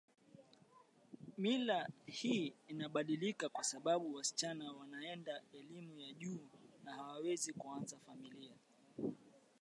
mila hii inabadilika kwa sababu wasichana wanaenda elimu ya juu na hawawezi kuanza famila